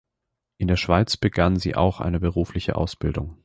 In der Schweiz begann sie auch eine berufliche Ausbildung.